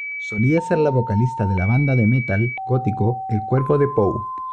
Solía ser la vocalista de la banda de Metal gótico El Cuervo de Poe.